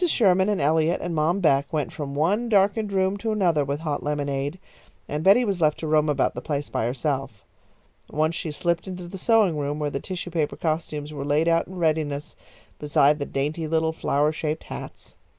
Sherman and Eliot and Mom Beck went from one darkened room to another with hot lemonade, and Betty was left to roam about the place by herself. Once she slipped into the sewing room where the tissue paper costumes were laid out in readiness beside the dainty little flower shaped hats.